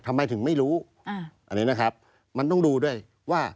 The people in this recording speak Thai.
ทำไมถึงไม่รู้อันนี้นะครับมันต้องดูด้วยว่า